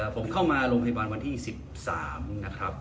ผมเข้ามาโรงพยาบาลวันที่๑๓นะครับ